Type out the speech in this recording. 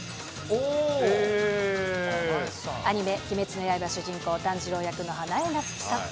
アニメ、鬼滅の刃、主人公、炭治郎役の花江夏樹さん。